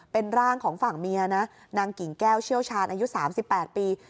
เป็นร่างของฝั่งเมียนะนางกิ่งแก้วเชี่ยวชาญอายุ๓๘ปี